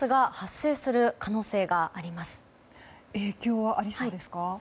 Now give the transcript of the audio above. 影響はありそうですか？